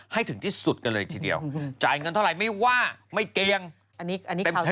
ให้ถึงที่สุดกันเลยทีเดียวจ่ายเงินเท่าไหร่ไม่ว่าไม่เตียงอันนี้เต็มคำ